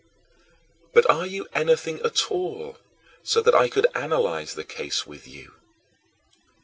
But are you anything at all, so that I could analyze the case with you?